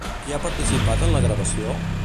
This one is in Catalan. Qui ha participat en la gravació?